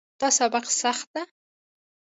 دا سبق سخت ده